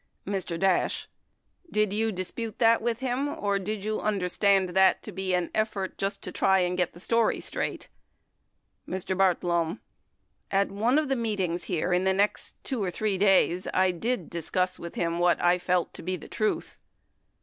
Mr. Dash. Did you dispute that with him or did you under stand that to be an effort just to try to get the story straight? Mr. Bartlome. At one of the meetings here in the next 2 or 3 days I did discuss with him what I felt to be the truth.